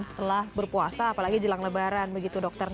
setelah berpuasa apalagi jelang lebaran begitu dokter